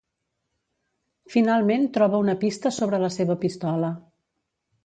Finalment troba una pista sobre la seva pistola.